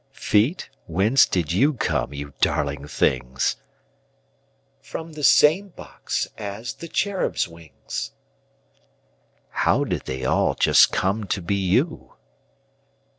Feet, whence did you come, you darling things? From the same box as the cherubs' wings. How did they all just come to be you?